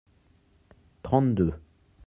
Trente-deux.